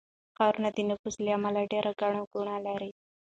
ښارونه د نفوس له امله ډېر ګڼه ګوڼه لري.